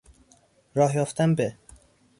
راه یافتن به...